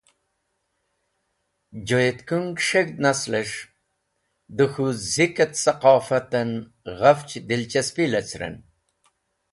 Joyetkung S̃heg̃hd nasles̃h de k̃hu zik et Saqofat en ghafch dilchaspi lecẽren.